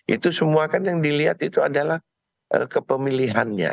itu semua kan yang dilihat itu adalah kepemilihannya